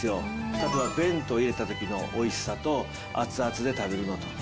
あとは弁当入れたときのおいしさと、熱々で食べるとき。